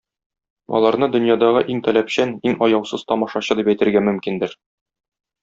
Аларны дөньядагы иң таләпчән, иң аяусыз тамашачы дип әйтергә мөмкиндер.